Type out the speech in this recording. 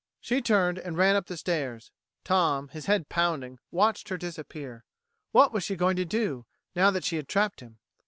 She turned and ran up the stairs. Tom, his head pounding, watched her disappear. What was she going to do, now that she had trapped him?